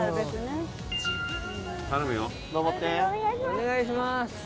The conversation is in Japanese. お願いします！